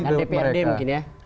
dprd mungkin ya